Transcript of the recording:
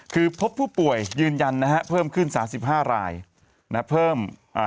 คือพบผู้ป่วยยืนยันเพิ่มขึ้นสาธารณ์๑๕ราย